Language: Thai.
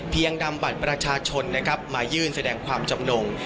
เพียงดำบัตรประชาชนมายื่นแสดงความจำนง